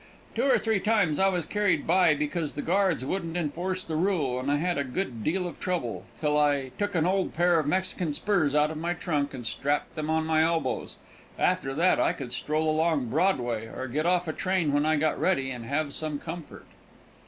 Two or three times I was carried by because the guards wouldn't enforce the rule, and I had a good deal of trouble, till I took an old pair of Mexican spurs out of my trunk and strapped them on my elbows. After that I could stroll along Broadway, or get off a train when I got ready, and have some comfort.